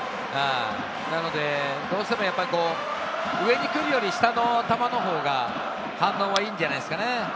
なのでどうしても上に来るより下の球のほうが反応はいいんじゃないですかね。